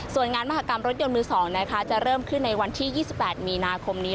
ส่วนงานมหากรรมรถยนต์มือ๒จะเริ่มขึ้นในวันที่๒๘มีนาคมนี้